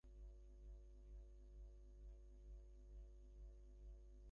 অন্তত একটি হিন্দি ছবিতে অভিনয় করতে পারলেও আমার অনেক ভালো লাগবে।